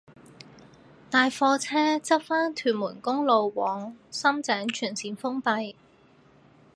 大貨車翻側屯門公路往深井全綫封閉